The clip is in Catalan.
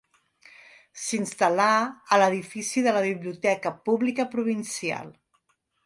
S’instal·là a l’edifici de la Biblioteca Pública Provincial.